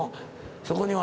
そこには。